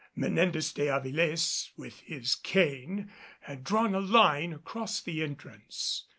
Menendez de Avilés with his cane had drawn a line across the entrance.